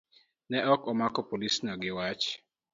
Ne ok omak polisno gi wach